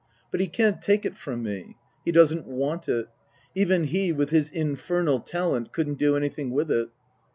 But he can't take it from me. He doesn't " want " it. Even he with his infernal talent couldn't do anything with it.